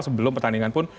sebelum pertandingan pun